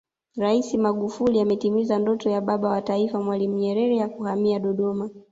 Rais Magufuli ametimiza ndoto ya Baba wa Taifa Mwalimu Nyerere ya kuhamia Dodoma